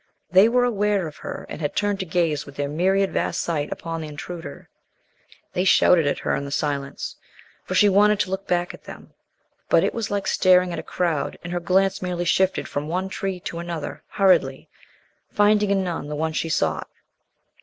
They were aware of her and had turned to gaze with their myriad, vast sight upon the intruder. They shouted at her in the silence. For she wanted to look back at them, but it was like staring at a crowd, and her glance merely shifted from one tree to another, hurriedly, finding in none the one she sought.